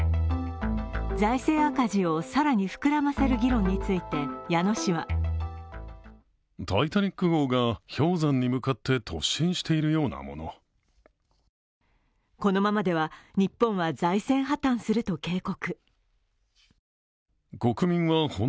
財政赤字を更に膨らませる議論について、矢野氏はこのままでは日本は財政破綻すると警告。